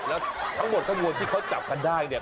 แล้วทั้งหมดข้างบนที่เขาจับกันได้